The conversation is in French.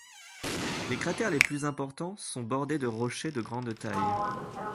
Les cratères les plus importants sont bordés de rochers de grande taille.